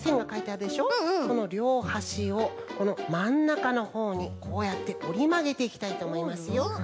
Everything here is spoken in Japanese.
このりょうはしをこのまんなかのほうにこうやっておりまげていきたいとおもいますよ。